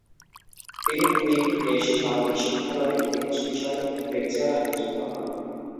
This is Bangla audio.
তিনি তুরিন ফিরে এসে সামরিক শিক্ষালয়ের ইতিহাস বিষয়ের লেকচারার নিযুক্ত হন।